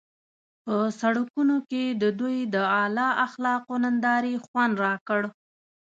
په سړکونو کې د دوی د اعلی اخلاقو نندارې خوند راکړ.